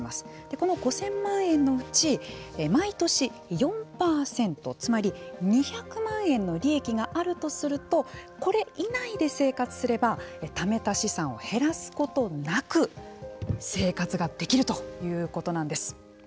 この５０００万円のうち毎年４％、つまり２００万円の利益があるとするとこれ以内で生活すればためた資産を減らすことなく生活ができるということなんです。